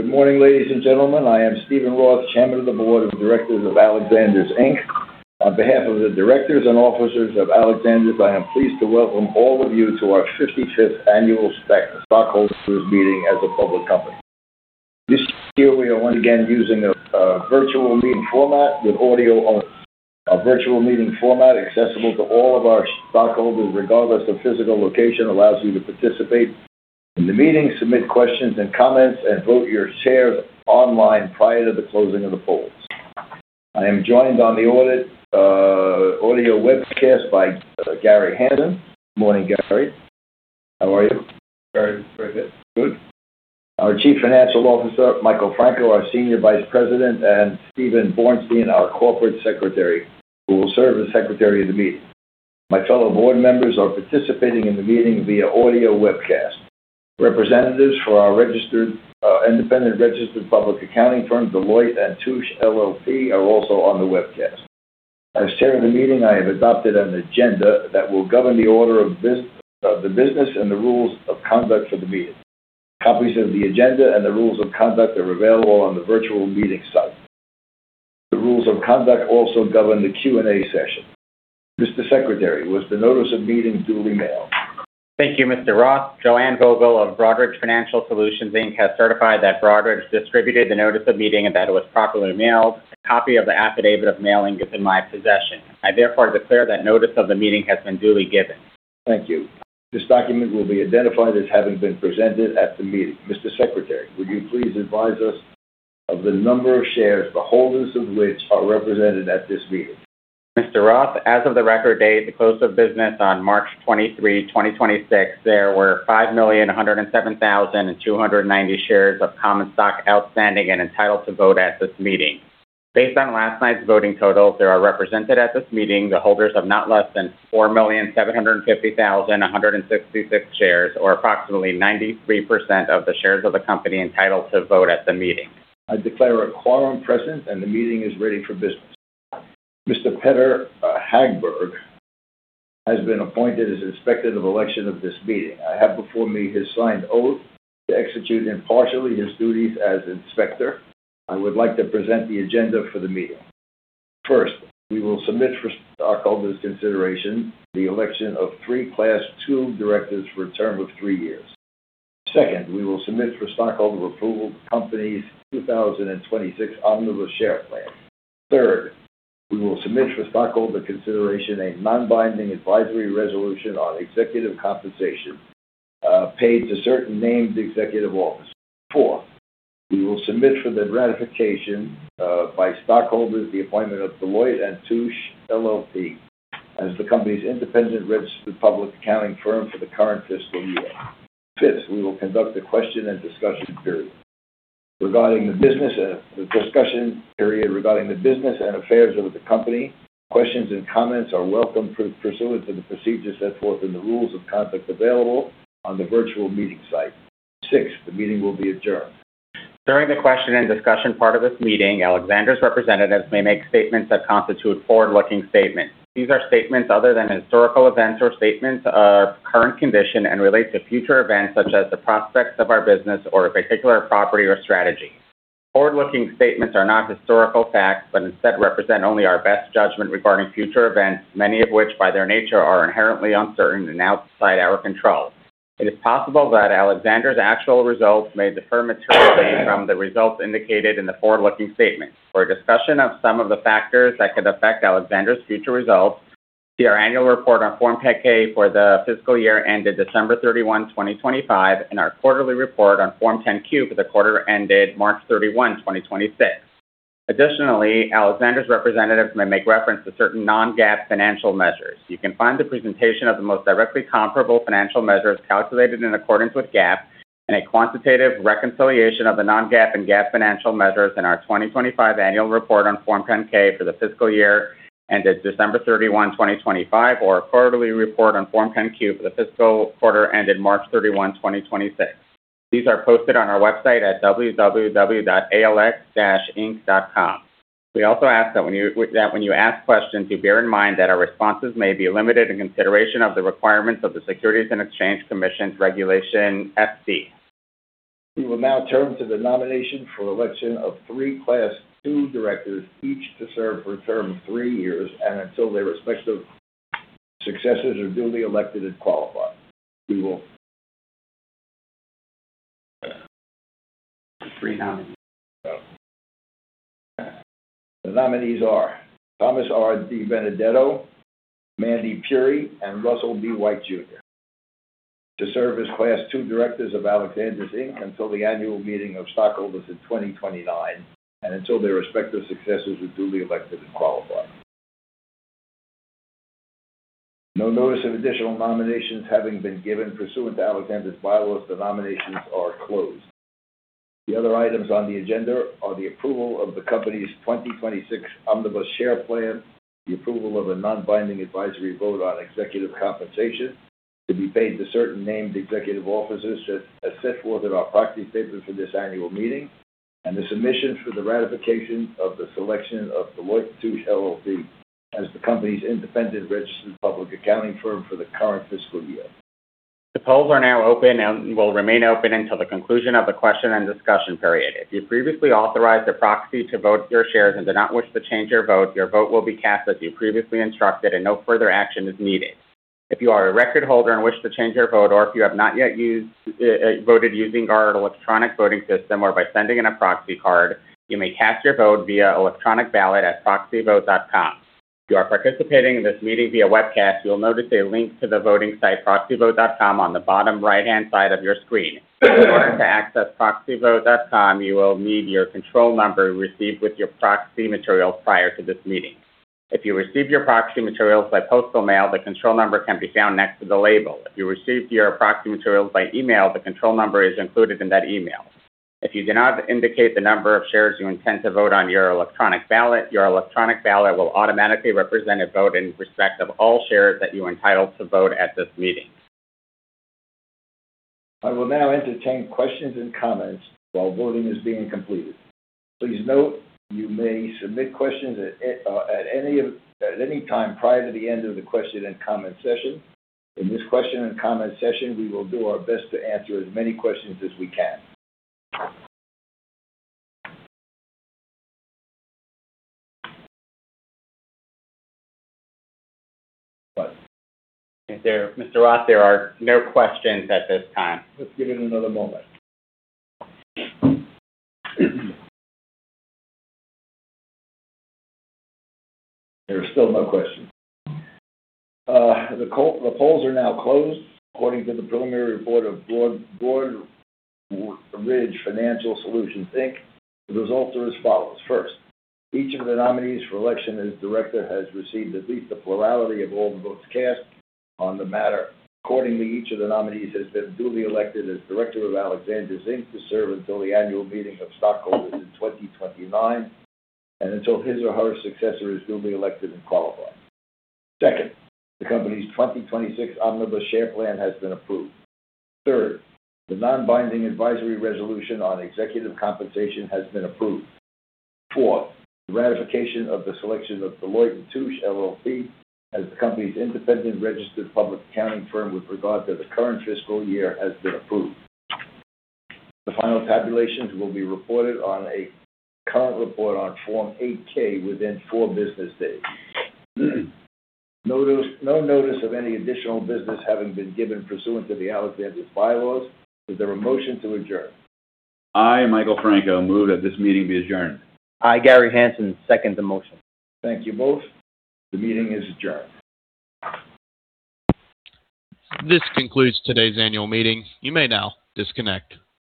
Good morning, ladies and gentlemen. I am Steven Roth, Chairman of the Board of Directors of Alexander's, Inc. On behalf of the directors and officers of Alexander's, I am pleased to welcome all of you to our 55th annual stockholders' meeting as a public company. This year, we are once again using a virtual meeting format with audio. Our virtual meeting format, accessible to all of our stockholders, regardless of physical location, allows you to participate in the meeting, submit questions and comments, and vote your shares online prior to the closing of the polls. I am joined on the audio webcast by Gary Hansen. Morning, Gary. How are you? Very good. Good. Our Chief Financial Officer, Michael Franco, our senior vice president, and Steven Borenstein, our Corporate Secretary, who will serve as secretary of the meeting. My fellow board members are participating in the meeting via audio webcast. Representatives for our independent registered public accounting firm, Deloitte & Touche LLP, are also on the webcast. As chair of the meeting, I have adopted an agenda that will govern the order of the business and the rules of conduct for the meeting. Copies of the agenda and the rules of conduct are available on the virtual meeting site. The rules of conduct also govern the Q&A session. Mr. Secretary, was the notice of meeting duly mailed? Thank you, Mr. Roth. Joanne Vogel of Broadridge Financial Solutions, Inc. has certified that Broadridge distributed the notice of meeting and that it was properly mailed. A copy of the affidavit of mailing is in my possession. I therefore declare that notice of the meeting has been duly given. Thank you. This document will be identified as having been presented at the meeting. Mr. Secretary, would you please advise us of the number of shares, the holders of which are represented at this meeting? Mr. Roth, as of the record date, the close of business on 23 March 2026, there were 5,107,290 shares of common stock outstanding and entitled to vote at this meeting. Based on last night's voting totals, there are represented at this meeting the holders of not less than 4,750,166 shares, or approximately 93% of the shares of the company entitled to vote at the meeting. I declare a quorum present, and the meeting is ready for business. Mr. Peter Hagberg has been appointed as inspector of election of this meeting. I have before me his signed oath to execute impartially his duties as inspector. I would like to present the agenda for the meeting. First, we will submit for stockholders' consideration the election of three Class II directors for a term of three years. Second, we will submit for stockholder approval the company's 2026 Omnibus Share Plan. Third, we will submit for stockholder consideration a non-binding advisory resolution on executive compensation paid to certain named executive officers. Four, we will submit for the ratification by stockholders the appointment of Deloitte & Touche LLP as the company's independent registered public accounting firm for the current fiscal year. Fifth, we will conduct a question and discussion period regarding the business and affairs of the company. Questions and comments are welcome pursuant to the procedures set forth in the rules of conduct available on the virtual meeting site. 6, the meeting will be adjourned. During the question and discussion part of this meeting, Alexander's representatives may make statements that constitute forward-looking statements. These are statements other than historical events or statements of current condition and relate to future events such as the prospects of our business or a particular property or strategy. Forward-looking statements are not historical facts, but instead represent only our best judgment regarding future events, many of which, by their nature, are inherently uncertain and outside our control. It is possible that Alexander's actual results may differ materially from the results indicated in the forward-looking statements. For a discussion of some of the factors that could affect Alexander's future results, see our annual report on Form 10-K for the fiscal year ended 31 December 2025, and our quarterly report on Form 10-Q for the quarter ended 31 March 2026. Additionally, Alexander's representatives may make reference to certain non-GAAP financial measures. You can find the presentation of the most directly comparable financial measures calculated in accordance with GAAP and a quantitative reconciliation of the non-GAAP and GAAP financial measures in our 2025 annual report on Form 10-K for the fiscal year ended December 31, 2025, or quarterly report on Form 10-Q for the fiscal quarter ended 31 March 2026. These are posted on our website at www.alx-inc.com. We also ask that when you ask questions, you bear in mind that our responses may be limited in consideration of the requirements of the Securities and Exchange Commission's Regulation FD. We will now turn to the nomination for election of 3 Class II directors, each to serve for a term of three years and until their respective successors are duly elected and qualified. We will Three nominees. The nominees are Thomas R. DiBenedetto, Mandakini Puri, and Russell B. Wight, Jr. to serve as Class II directors of Alexander's, Inc. until the annual meeting of stockholders in 2029 and until their respective successors are duly elected and qualified. No notice of additional nominations having been given, pursuant to Alexander's bylaws, the nominations are closed. The other items on the agenda are the approval of the company's 2026 Omnibus Share Plan, the approval of a non-binding advisory vote on executive compensation to be paid to certain named executive officers as set forth in our proxy statement for this annual meeting. The submission for the ratification of the selection of Deloitte & Touche, LLP as the company's independent registered public accounting firm for the current fiscal year. The polls are now open and will remain open until the conclusion of the question and discussion period. If you previously authorized a proxy to vote your shares and do not wish to change your vote, your vote will be cast as you previously instructed and no further action is needed. If you are a record holder and wish to change your vote, or if you have not yet voted using our electronic voting system or by sending in a proxy card, you may cast your vote via electronic ballot at proxyvote.com. If you are participating in this meeting via webcast, you'll notice a link to the voting site, proxyvote.com, on the bottom right-hand side of your screen. In order to access proxyvote.com, you will need your control number received with your proxy materials prior to this meeting. If you received your proxy materials by postal mail, the control number can be found next to the label. If you received your proxy materials by email, the control number is included in that email. If you do not indicate the number of shares you intend to vote on your electronic ballot, your electronic ballot will automatically represent a vote in respect of all shares that you're entitled to vote at this meeting. I will now entertain questions and comments while voting is being completed. Please note, you may submit questions at any time prior to the end of the question and comment session. In this question and comment session, we will do our best to answer as many questions as we can. Mr. Roth, there are no questions at this time. Let's give it another moment. There are still no questions. The polls are now closed. According to the preliminary report of Broadridge Financial Solutions, Inc., the results are as follows. First, each of the nominees for election as director has received at least a plurality of all the votes cast on the matter. Accordingly, each of the nominees has been duly elected as director of Alexander's, Inc. to serve until the annual meeting of stockholders in 2029 and until his or her successor is duly elected and qualified. Second, the company's 2026 Omnibus Share Plan has been approved. Third, the non-binding advisory resolution on executive compensation has been approved. Four, the ratification of the selection of Deloitte & Touche LLP as the company's independent registered public accounting firm with regard to the current fiscal year has been approved. The final tabulations will be reported on a current report on Form 8-K within four business days. No notice of any additional business having been given pursuant to the Alexander's bylaws. Is there a motion to adjourn? I, Michael Franco, move that this meeting be adjourned. I, Gary Hansen, second the motion. Thank you both. The meeting is adjourned. This concludes today's annual meeting. You may now disconnect.